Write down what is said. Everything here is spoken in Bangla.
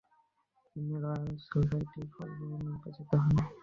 তিনি রয়্যাল সোসাইটির ফেলো নির্বাচিত হন।